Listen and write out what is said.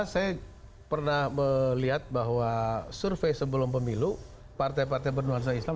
dua ribu empat belas saya pernah melihat bahwa survei sebelum pemilu partai partai penuansa ini